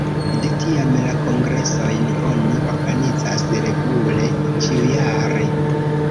De tiam la kongresojn oni organizas regule ĉiujare.